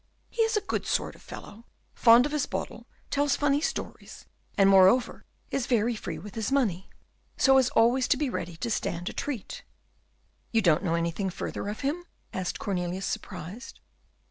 He is a good sort of fellow, fond of his bottle, tells funny stories, and moreover is very free with his money, so as always to be ready to stand a treat." "You don't know anything further of him?" asked Cornelius, surprised.